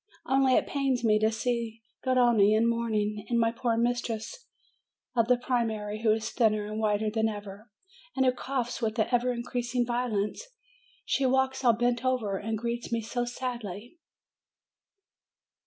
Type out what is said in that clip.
Only it pains me to see Garrone in mourning, and my poor mistress of the primary, who is thinner and whiter than ever, and who coughs with an ever increasing violence. She \valks all bent over now, and greets me so sadly